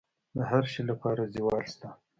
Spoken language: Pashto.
د هر شي لپاره زوال شته،